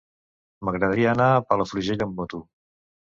M'agradaria anar a Palafrugell amb moto.